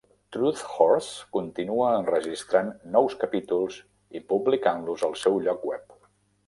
Truthhorse continua enregistrant nous capítols i publicant-los al seu lloc web.